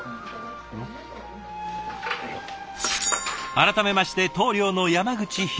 改めまして棟梁の山口宏己さん。